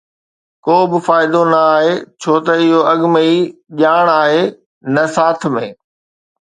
ڪو به فائدو نه آهي ڇو ته اهو اڳ ۾ ئي ڄاڻ آهي ته ساٿ ۾